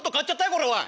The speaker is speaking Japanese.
これおい！